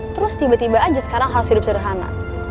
terus tiba tiba aja sekarang harus hidup sederhana